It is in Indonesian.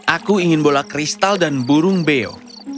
aku ingin bola kristal dan burung beo